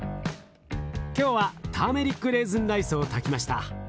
今日はターメリックレーズンライスを炊きました。